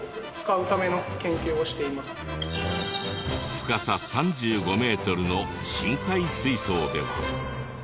深さ３５メートルの深海水槽では。